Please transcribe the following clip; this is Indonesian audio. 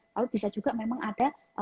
lalu bisa juga memang ada